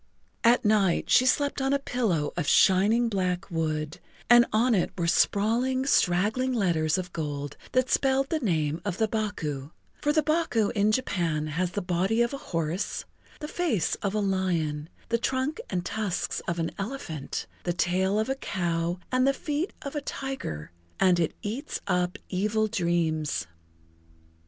At night she slept on a pillow of shining black wood, and on it were sprawling, straggling letters of gold that spelled the name of the Baku, for the Baku in Japan has the body of a horse, the face of a lion, the trunk and tusks of an elephant, the tail of a cow and the feet of a tiger, and it[Pg 31] eats up evil dreams.